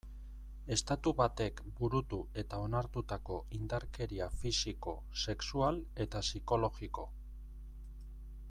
Estatu batek burutu eta onartutako indarkeria fisiko, sexual eta psikologiko.